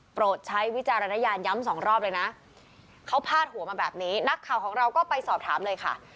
ใช้วิจารณญาณย้ำสองรอบเลยนะเขาพาดหัวมาแบบนี้นักข่าวของเราก็ไปสอบถามเลยค่ะ